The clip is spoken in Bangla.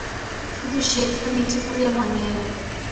শুধু শেডটা নিচে পড়িয়া ভাঙিয়া গেল।